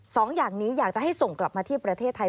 สองอย่างนี้อยากจะให้ส่งกลับมาที่ประเทศไทย